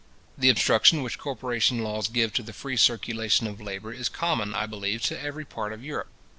The obstruction which corporation laws give to the free circulation of labour is common, I believe, to every part of Europe.